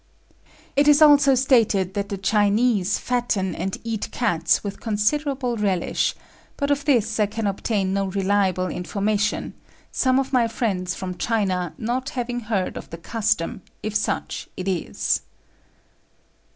It is also stated that the Chinese fatten and eat cats with considerable relish; but of this I can obtain no reliable information, some of my friends from China not having heard of the custom, if such it is.